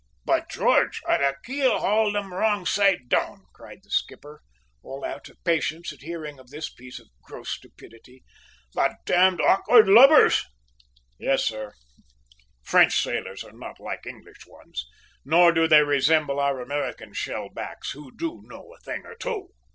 "By George, I'd have keel hauled 'em wrong side down!" cried the skipper, out of all patience at hearing of this piece of gross stupidity. "The damned awkward lubbers!" "Yes, sir; French sailors are not like English ones, nor do they resemble our American shellbacks, who do know a thing or two!"